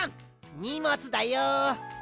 にもつだよ。